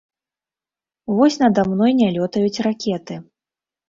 Вось нада мной не лётаюць ракеты.